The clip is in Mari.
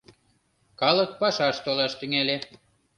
Калык пашаш толаш тӱҥале.